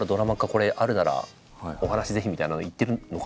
これあるならお話ぜひみたいなのを言ってるのかなみたいなのを。